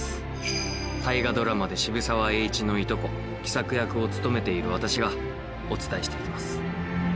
大河ドラマで渋沢栄一のいとこ喜作役を務めている私がお伝えしていきます。